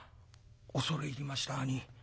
「恐れ入りました兄ぃ。